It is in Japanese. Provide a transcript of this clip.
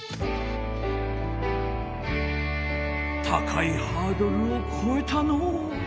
高いハードルをこえたのう。